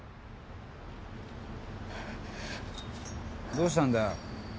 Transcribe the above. どうしたんだよ？